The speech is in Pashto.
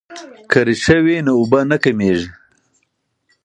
که ریښه وي نو اوبه نه کمیږي.